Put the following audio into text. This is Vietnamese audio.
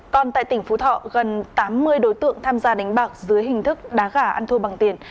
còn tại tỉnh phú thọ gần tám mươi đối tượng tham gia đánh bạc dưới hình thức đá gà ăn thua bằng tiền